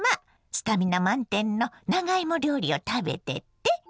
スタミナ満点の長芋料理を食べてって。